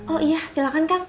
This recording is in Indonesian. oh iya silahkan kang